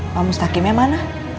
pak mustaqimnya mana